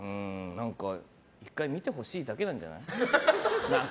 １回見てほしいだけなんじゃない？